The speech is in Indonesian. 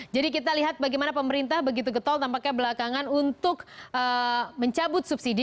jadi kita lihat bagaimana pemerintah begitu getol tampaknya belakangan untuk mencabut subsidi